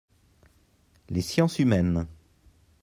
Les sciences humaines.